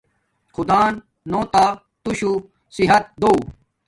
خدان نو تا توشو صحت دو